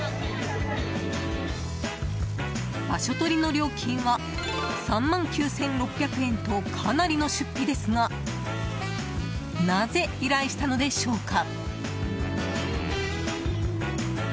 場所取りの料金は３万９６００円とかなりの出費ですがなぜ依頼したのでしょうか？